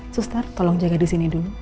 suster tolong jaga di sini dulu